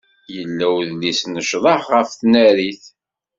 Yella udlis n ccḍeḥ ɣef tnarit.